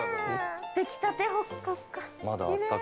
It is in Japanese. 出来たてほっかほか。